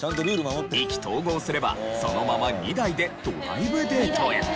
意気投合すればそのまま２台でドライブデートへ。